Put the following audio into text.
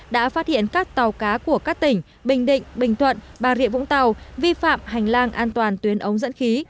đã phát hiện các tàu cá của các tỉnh bình định bình thuận bà rịa vũng tàu vi phạm hành lang an toàn tuyến ống dẫn khí